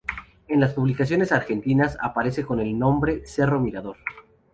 En publicaciones argentinas aparece con el nombre Cerro Mirador.